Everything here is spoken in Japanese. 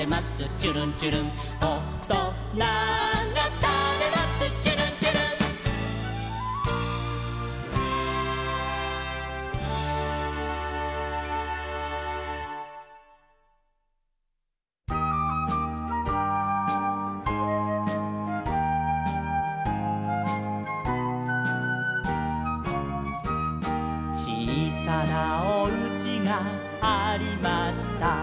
ちゅるんちゅるん」「おとながたべますちゅるんちゅるん」「ちいさなおうちがありました」